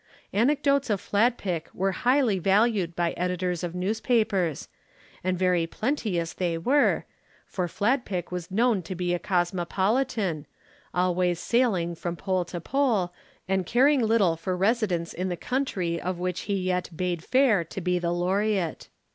Anecdotes of Fladpick were highly valued by editors of newspapers, and very plenteous they were, for Fladpick was known to be a cosmopolitan, always sailing from pole to pole and caring little for residence in the country of which he yet bade fair to be the laureate.